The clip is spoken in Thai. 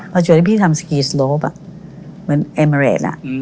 พอจุดที่พี่ทำสกีสโลปเหมือนเอเมอร์แรต